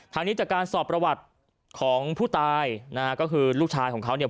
ทางนี้จากการสอบประวัติของผู้ตายนะฮะก็คือลูกชายของเขาเนี่ย